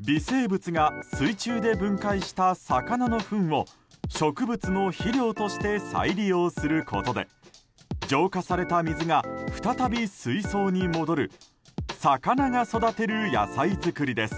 微生物が水中で分解した魚のふんを植物の肥料として再利用することで浄化された水が再び水槽に戻る魚が育てる野菜作りです。